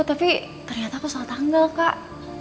tapi ternyata aku soal tanggal kak